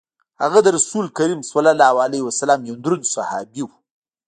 هغه د رسول کریم صلی الله علیه وسلم یو دروند صحابي وو.